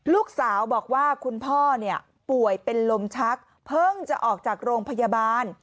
ลูกสาวบอกว่าคุณพ่อเนี่ยป่วยเป็นลมชักเพิ่งจะออกจากโรงพยาบาล